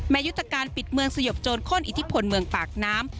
ยุทธการปิดเมืองสยบโจรข้นอิทธิพลเมืองปากน้ำ